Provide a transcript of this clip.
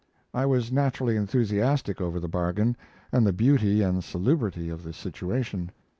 I was naturally enthusiastic over the bargain, and the beauty and salubrity of the situation.